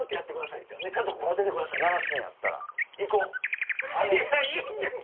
いやいいんですか